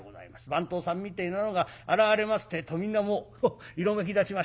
番頭さんみてえなのが現れますてえとみんなもう色めきだちましてね